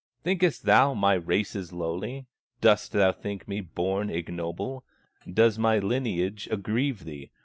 "Thinkest thou my race is lowly, Dost thou think me born ignoble, Does my lineage agrieve thee?